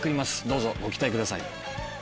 どうぞご期待ください。